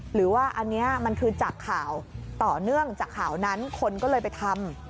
หรือว่าอันนี้มันคือจากข่าวต่อเนื่องจากข่าวนั้นคนก็เลยไปทำ